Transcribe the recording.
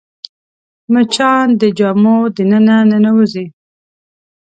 مچان د جامو دننه ننوځي